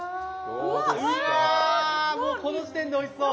うわもうこの時点でおいしそう。